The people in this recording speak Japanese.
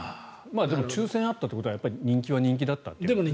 でも抽選があったということは人気は人気だったんですね。